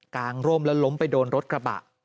งร่มแล้วล้มไปโดนรถกระบะ